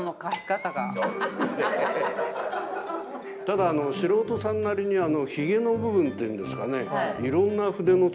ただ素人さんなりにヒゲの部分っていうんですかね